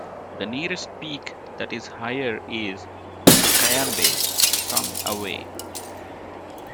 The nearest peak that is higher is Cayambe, some away.